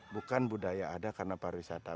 bukan budaya ada karena pariwisata